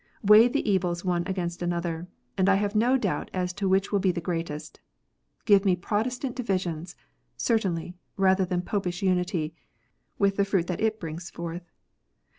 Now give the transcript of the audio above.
Weigh the evils one against another, and I have no doubt as to which will be the greatest. Give me Protestant divisions, certainly, rather than Popish unity, with the fruit that it brings forth.